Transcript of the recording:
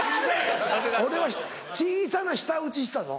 俺は小さな舌打ちしたぞ。